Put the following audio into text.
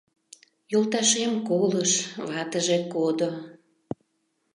— Йолташем колыш, ватыже кодо.